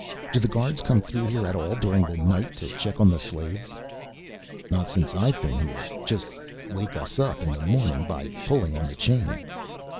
Do the guards come through here at all during the night to check on the slaves?" "Not since I've been here, just wake us up in the morning by pulling on the chain."